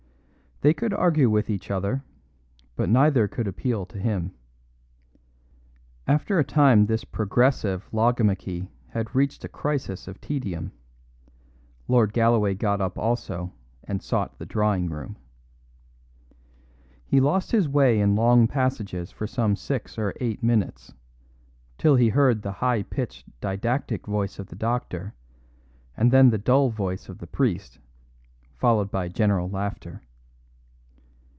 They could argue with each other, but neither could appeal to him. After a time this "progressive" logomachy had reached a crisis of tedium; Lord Galloway got up also and sought the drawing room. He lost his way in long passages for some six or eight minutes: till he heard the high pitched, didactic voice of the doctor, and then the dull voice of the priest, followed by general laughter.